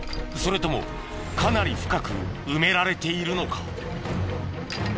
それともかなり深く埋められているのか。